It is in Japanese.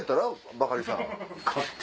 バカリさん。